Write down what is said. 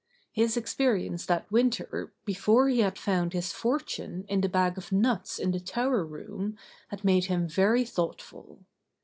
His experience that winter, before he had found his fortune in the bag of nuts in the tower room, had made him very thoughtful.